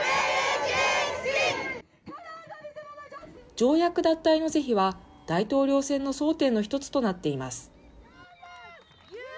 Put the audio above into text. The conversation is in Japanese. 条約脱退の是非は、大統領選の争点の１つとなっています。